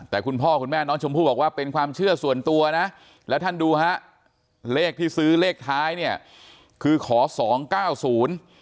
แต่คุณพ่อคุณแม่น้องชมพู่บอกว่าเป็นความเชื่อส่วนตัวนะแล้วท่านดูฮะเลขที่ซื้อเลขท้ายเนี่ยคือขอสองเก้าศูนย์